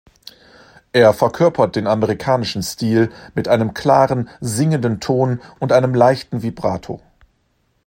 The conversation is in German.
Er verkörpert den amerikanischen Stil mit einem klaren, singenden Ton und einem leichten Vibrato.